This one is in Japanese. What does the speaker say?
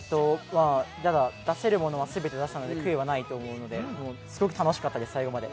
出せるものは全て出したので悔いはないと思うので、すごく楽しかったです、最後まで。